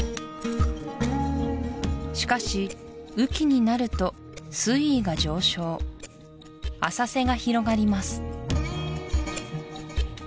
しかし雨季になると水位が上昇浅瀬が広がります